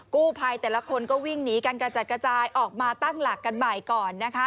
กู้ภัยแต่ละคนก็วิ่งหนีกันกระจัดกระจายออกมาตั้งหลักกันใหม่ก่อนนะคะ